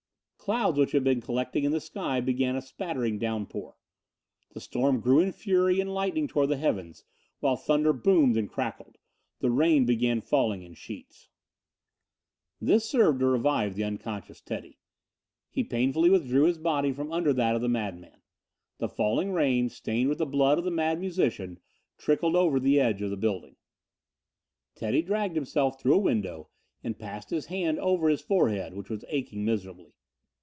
Clouds which had been collecting in the sky began a splattering downpour. The storm grew in fury and lightning tore the heavens, while thunder boomed and crackled. The rain began falling in sheets. This served to revive the unconscious Teddy. He painfully withdrew his body from under that of the madman. The falling rain, stained with the blood of the Mad Musician, trickled over the edge of the building. Teddy dragged himself through a window and passed his hand over his forehead, which was aching miserably.